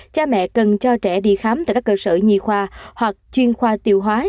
cha mẹ cần cho trẻ đi khám tại các cơ sở nhi khoa hoặc chuyên khoa tiêu hóa